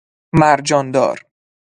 مرجان دار